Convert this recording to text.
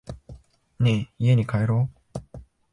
ねぇ、家に帰ろう。